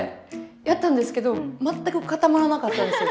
やったんですけど全く固まらなかったんですよ。